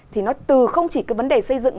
thì nó từ không chỉ cái vấn đề xây dựng